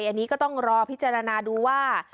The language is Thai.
อันนี้ก็ต้องรอพิจารณาดูว่า